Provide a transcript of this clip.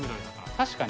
確かに。